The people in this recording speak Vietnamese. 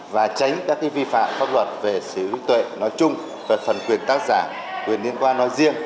và tránh các vi phạm pháp luật về sở hữu tuệ nói chung và phần quyền tác giả quyền liên quan nói riêng